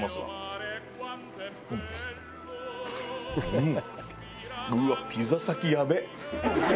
うん！